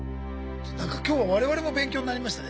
今日は我々も勉強になりましたね。